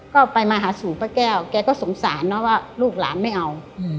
ก็ไปมาหาสู่ป้าแก้วแกก็สงสารเนอะว่าลูกหลานไม่เอา